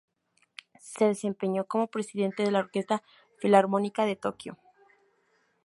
Se desempeñó como presidente de la Orquesta Filarmónica de Tokio.